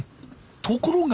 ところが。